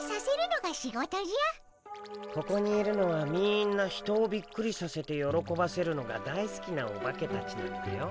ここにいるのはみんな人をびっくりさせてよろこばせるのが大好きなオバケたちなんだよ。